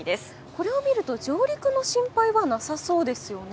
これを見ると上陸の心配はなさそうですね。